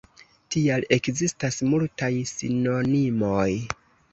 Tial ekzistas multaj sinonimoj.